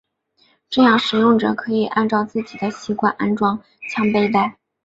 这样使用者可以按照自己的习惯安装枪背带。